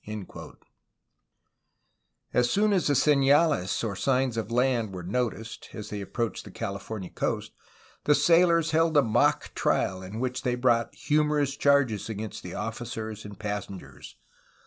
'^ As soon as the ^^senales/' or signs of land, were noticed, as they approached the California coast, the sailors held a mock trial in which they brought humorous charges against the officers and passengers.